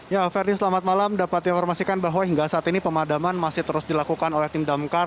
ya ferdi selamat malam dapat diinformasikan bahwa hingga saat ini pemadaman masih terus dilakukan oleh tim damkar